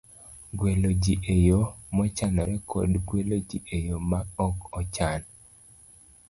gwelo ji e yo mochanore kod gwelo ji e yo ma ok ochan.